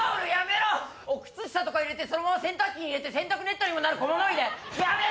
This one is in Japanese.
靴下とか入れてそのまま洗濯機に入れて洗濯ネットにもなる小物入れ。